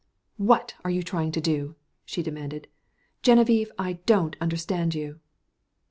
"What are you trying to do?" she demanded. "Geneviève, I don't understand you."